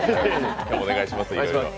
今日はお願いします。